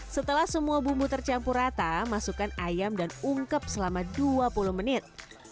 setelah semua bumbu tercampur rata masukkan ayam dan ungkep selama dua puluh menit